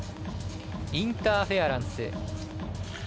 インターフェアランス。